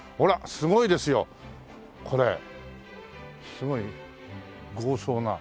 すごい豪壮な。